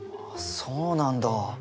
そうなんだ。